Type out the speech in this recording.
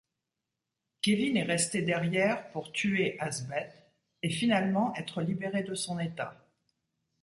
Kevin est resté derrière pour tuer Asbeth et finalement être libéré de son état.